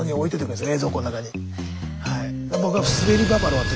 はい。